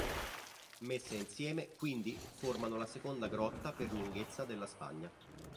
Messe insieme quindi formano la seconda grotta per lunghezza della Spagna.